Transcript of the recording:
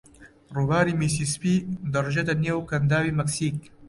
ڕووباری میسیسیپی دەڕژێتە نێو کەنداوی مەکسیک.